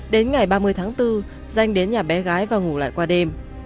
đến ngày ba mươi tháng bốn danh đến nhà bé gái và ngủ lại qua đêm